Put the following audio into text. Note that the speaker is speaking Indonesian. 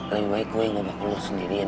lebih baik gue yang ngobat lo sendirian